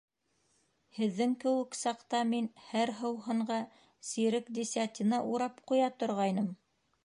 Һеҙҙең кеүек саҡта мин һәр һыуһынға сирек десятина урып ҡуя торғайным.